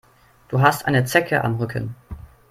Du hast eine Zecke am Rücken.